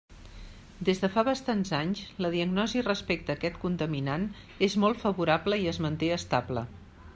Des de fa bastants anys la diagnosi respecte a aquest contaminant és molt favorable i es manté estable.